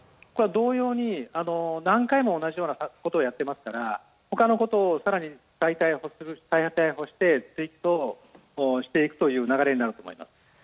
同様に何回も同じようなことをやっていますから他のことを再逮捕していくという流れになると思います。